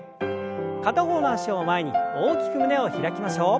片方の脚を前に大きく胸を開きましょう。